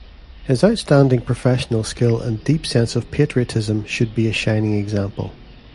His outstanding professional skill and deep sense of patriotism should be a shining example.